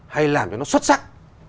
hay làm cho nó xuất sắc